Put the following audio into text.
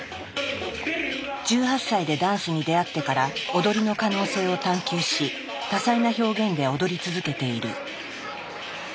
１８歳でダンスに出会ってから踊りの可能性を探究し多彩な表現で踊り続けている。